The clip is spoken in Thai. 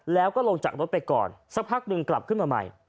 แล้วก็ลงจากรถไปก่อนสักพักหนึ่งกลับขึ้นมาใหม่